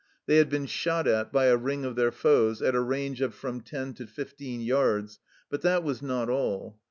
They had been shot at by a ring of their foes at a range of from ten to fifteen yards, but that was not all.